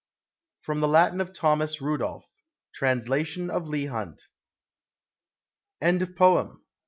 From the Latin of THOMAS RANDOLPH. Translation of LEIGH HUNT. THE FAIRIES.